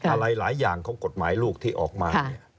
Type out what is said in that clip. อะไรหลายอย่างของกฎหมายลูกที่ออกมาเนี่ย